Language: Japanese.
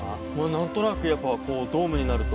何となくやっぱこうドームになると。